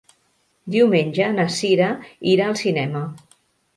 Diumenge na Cira irà al cinema.